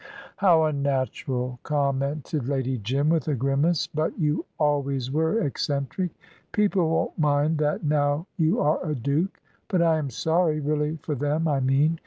"How unnatural!" commented Lady Jim, with a grimace. "But you always were eccentric. People won't mind that, now you are a duke. But I am sorry really for them, I mean.